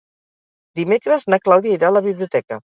Dimecres na Clàudia irà a la biblioteca.